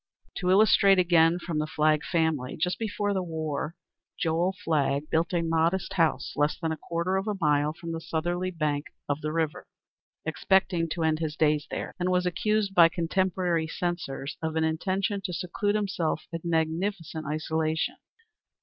To illustrate again from the Flagg family, just before the war Joel Flagg built a modest house less than a quarter of a mile from the southerly bank of the river, expecting to end his days there, and was accused by contemporary censors of an intention to seclude himself in magnificent isolation.